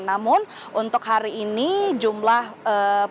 namun untuk hari ini jumlah penumpang